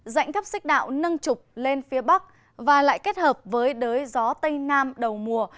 dãnh thấp xích đạo nâng trục lên phía bắc và lại kết hợp với đới gió tây nam đầu mùa